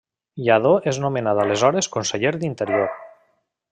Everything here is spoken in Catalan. Lladó és nomenat aleshores Conseller d'Interior.